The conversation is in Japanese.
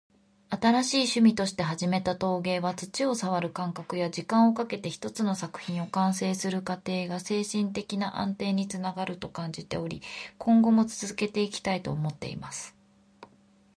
「新しい趣味として始めた陶芸は、土を触る感覚や、時間をかけて一つの作品を完成させる過程が精神的な安定につながると感じており、今後も続けていきたいと思っています。」